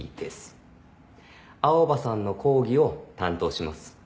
青羽さんの講義を担当します。